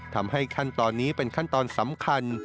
ขั้นตอนนี้เป็นขั้นตอนสำคัญ